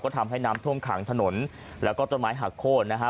ทำให้น้ำท่วมขังถนนแล้วก็ต้นไม้หักโค้นนะฮะ